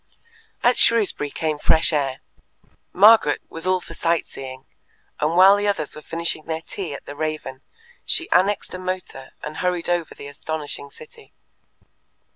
At Shrewsbury came fresh air. Margaret was all for sight seeing, and while the others were finishing their tea at the Raven, she annexed a motor and hurried over the astonishing city.